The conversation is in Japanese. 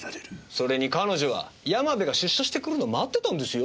それに彼女は山部が出所してくるのを待ってたんですよ。